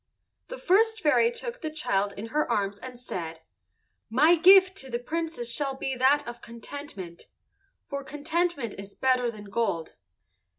The first fairy took the child in her arms and said, "My gift to the Princess shall be that of contentment, for contentment is better than gold."